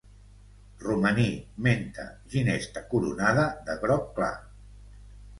Romaní, menta, ginesta coronada de groc clar.